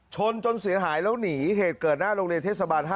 ชนจนเสียหายแล้วหนีเหตุเกิดหน้าโรงเรียนเทศบาล๕